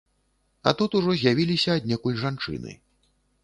А тут ужо з'явіліся аднекуль жанчыны.